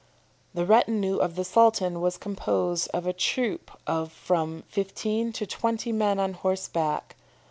"The retinue of the Sultan was composed of a troop of from fifteen to twenty men on horseback.